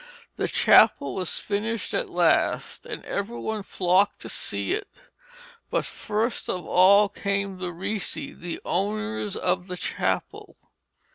The chapel was finished at last and every one flocked to see it, but first of all came the Ricci, the owners of the chapel.